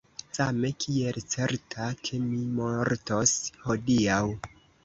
Same, kiel certa, ke mi mortos hodiaŭ.